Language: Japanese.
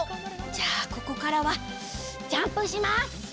じゃあここからはジャンプします！